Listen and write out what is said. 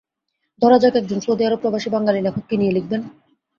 ধরা যাক, একজন সৌদি আরব প্রবাসী বাঙালি লেখক কী নিয়ে লিখবেন?